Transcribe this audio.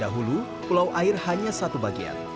dahulu pulau air hanya satu bagian